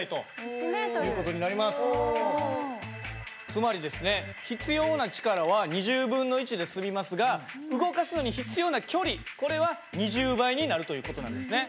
つまりですね必要な力はで済みますが動かすのに必要な距離これは２０倍になるという事なんですね。